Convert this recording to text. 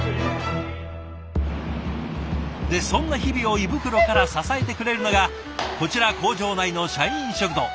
でそんな日々を胃袋から支えてくれるのがこちら工場内の社員食堂。